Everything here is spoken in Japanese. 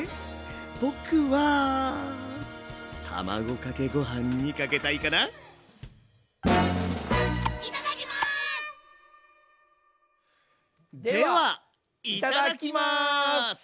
僕は卵かけご飯にかけたいかなではいただきます。